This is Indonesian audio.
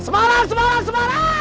semarang semarang semarang